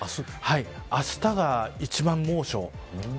あしたが一番猛暑。